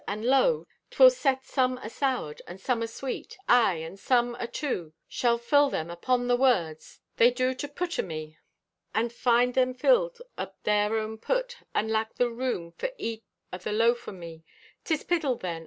And lo, 'twill set some asoured, and some asweet; aye and some, ato (too), shall fill them upon the words THEY do to put o' me, and find them filled o' their own put, and lack the room for eat o' the loaf o' me. 'Tis piddle, then!